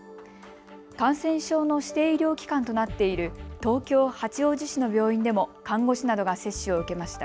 感染症の指定医療機関となっている東京八王子市の病院でも看護師などが接種を受けました。